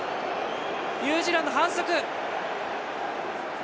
ニュージーランド、反則。